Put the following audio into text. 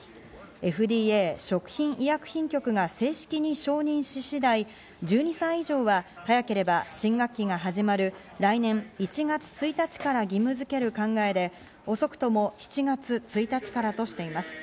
ＦＤＡ＝食品医薬品局が正式に承認し次第、１２歳以上は早ければ新学期が始まる来年１月１日から義務づける考えで、遅くとも７月１日からとしています。